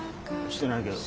してないけど。